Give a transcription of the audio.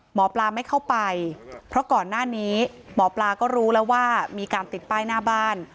หมอปลาไม่เข้าไปเพราะก่อนหน้านี้หมอปลาก็รู้แล้วว่ามีการติดป้ายหน้าบ้าน